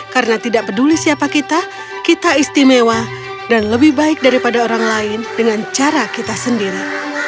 karena tidak peduli siapa kita kita istimewa dan lebih baik daripada orang lain dengan cara kita sendiri